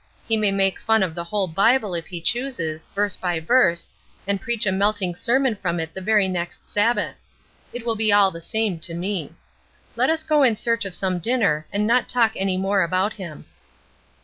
He may make fun of the whole Bible if he chooses, verse by verse, and preach a melting sermon from it the very next Sabbath; it will be all the same to me. Let us go in search of some dinner, and not talk any more about him."